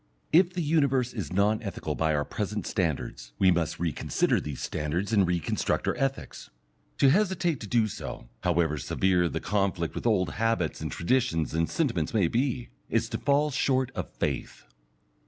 If the universe is non ethical by our present standards, we must reconsider these standards and reconstruct our ethics. To hesitate to do so, however severe the conflict with old habits and traditions and sentiments may be, is to fall short of faith.